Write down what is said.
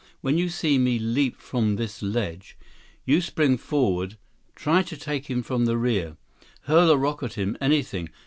When you see me leap from this ledge, you spring forward. Try to take him from the rear. Hurl a rock at him, anything.